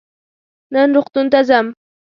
نن روغتون ته ځم.